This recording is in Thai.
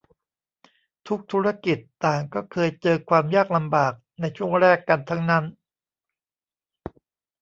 ทุกธุรกิจต่างก็เคยเจอความยากลำบากในช่วงแรกกันทั้งนั้น